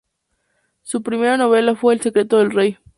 Su primera novela fue "El secreto del rey".